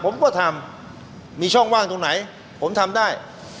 ผมก็ทำมีช่องว่างตรงไหนผมทำได้